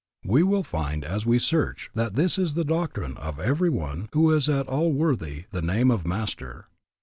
We will find as we search that this is the doctrine of every one who is at all worthy the name of master.